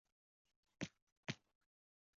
富川站日高本线上的站。